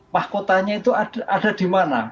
mahkotanya itu ada di mana